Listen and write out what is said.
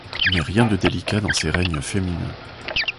Mais rien de délicat dans ces règnes féminins.